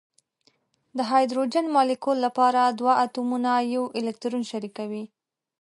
د هایدروجن مالیکول لپاره دوه اتومونه یو الکترون شریکوي.